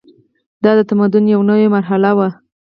دا د تمدن یوه نوې مرحله وه.